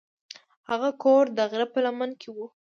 هغه کور د غره په لمن کې و.